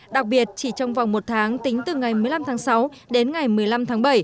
đặc biệt chỉ trong vòng một tháng tính từ ngày một mươi năm tháng sáu đến ngày một mươi năm tháng bảy